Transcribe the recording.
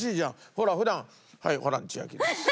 ほら普段「はいホラン千秋です」。